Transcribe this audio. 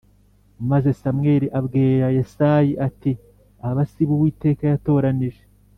Maze Samweli abwira Yesayi ati “Aba si bo Uwiteka yatoranije.”